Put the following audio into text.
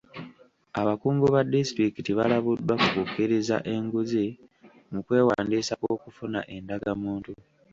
Abakungu ba disitulikiti balabuddwa ku kukkiriza enguzi mu kwewandiisa kw'okufuna endagamuntu.